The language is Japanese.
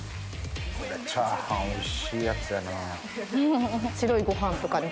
これチャーハンおいしいやつやなぁ。